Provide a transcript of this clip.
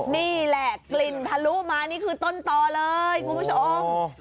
นี่แหละกลิ่นทะลุมานี่คือต้นต่อเลยคุณผู้ชม